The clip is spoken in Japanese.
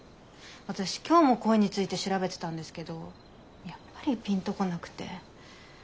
私今日も恋について調べてたんですけどやっぱりピンと来なくて。